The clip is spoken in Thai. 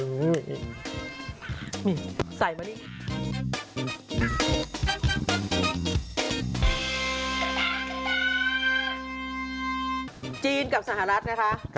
กับสหรัฐนะคะ